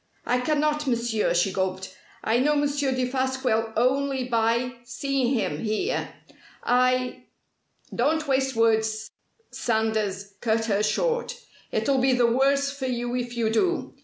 "I cannot, Monsieur," she gulped. "I know Monsieur Defasquelle only by seeing him here. I " "Don't waste words," Sanders cut her short. "It'll be the worse for you if you do.